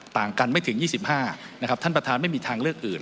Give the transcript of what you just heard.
ต่างกันไม่ถึง๒๕นะครับท่านประธานไม่มีทางเลือกอื่น